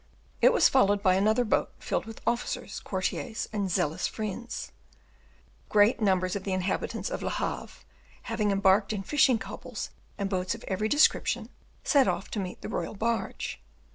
It was followed by another boat filled with officers, courtiers, and zealous friends. Great numbers of the inhabitants of Le Havre, having embarked in fishing cobles and boats of every description, set off to meet the royal barge.